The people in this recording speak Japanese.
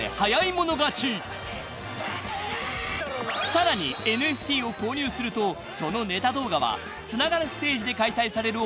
［さらにＮＦＴを購入するとそのネタ動画はつながるステージで開催される